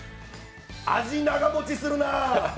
味、長もちするなあ。